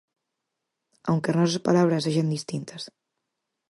Aunque as nosas palabras sexan distintas.